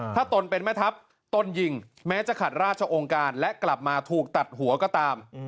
ถ้าตนเป็นแม่ทัพตนยิงแม้จะขัดราชองค์การและกลับมาถูกตัดหัวก็ตาม